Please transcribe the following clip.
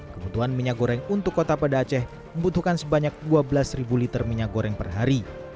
kebutuhan minyak goreng untuk kota pada aceh membutuhkan sebanyak dua belas liter minyak goreng per hari